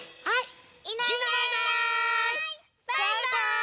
はい。